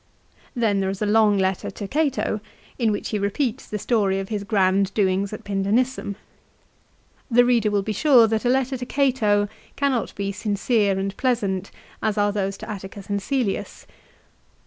Then there is a long letter to Cato in which he repeats the story of his grand doings at Pindenissum. The reader will be sure that a letter to Cato cannot be sincere and pleasant as are those to Atticus and Caslius.